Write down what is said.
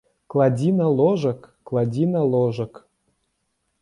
Кладзі на ложак, кладзі на ложак.